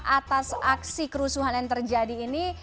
atas aksi kerusuhan yang terjadi ini